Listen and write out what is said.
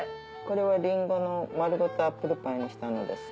これはりんごを丸ごとアップルパイにしたのです。